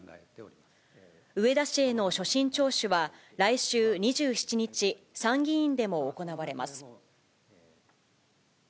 植田氏への所信聴取は来週２７日、参議院でも行われます。